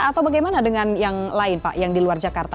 atau bagaimana dengan yang lain pak yang di luar jakarta